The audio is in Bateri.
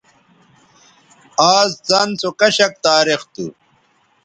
آز څَن سو کشک تاریخ تھو